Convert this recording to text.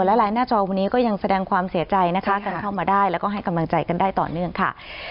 และไลน์หน้าจอวันนี้ก็ยังแสดงความเสียใจนะคะกันเข้ามาได้แล้วก็ให้กำลังใจกันได้ต่อเนื่องค่ะ